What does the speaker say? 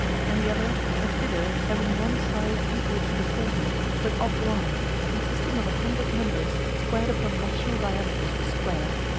and the other a figure having one side equal to the former, but oblong, consisting of a hundred numbers squared upon rational diameters of a square (i.e.